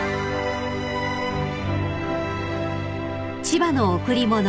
［『千葉の贈り物』］